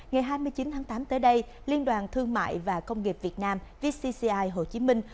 ngày hai mươi chín tháng tám tới đây liên đoàn thương mại và công nghiệp việt nam vcci hồ chí minh